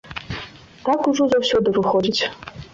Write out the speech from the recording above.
Так ужо заўсёды выходзіць.